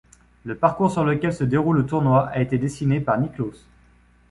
Le parcours sur lequel se déroule le tournoi a été dessiné par Nicklaus.